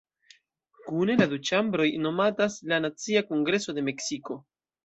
Kune la du ĉambroj nomatas la "Nacia Kongreso de Meksiko".